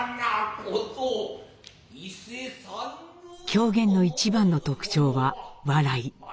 狂言の一番の特徴は「笑い」。